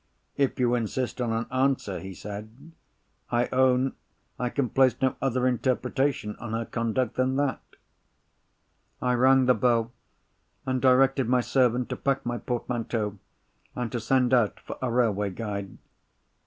"If you insist on an answer," he said, "I own I can place no other interpretation on her conduct than that." I rang the bell, and directed my servant to pack my portmanteau, and to send out for a railway guide. Mr.